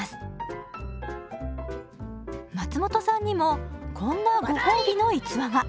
松本さんにもこんなご褒美の逸話が。